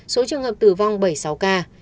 số trường hợp tử vong bảy mươi sáu ca